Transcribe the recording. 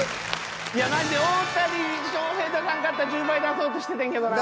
いやマジで大谷翔平出さんかったら１０倍出そうとしててんけどな。